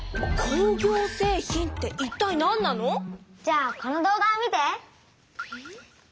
ショーゴじゃあこの動画を見て！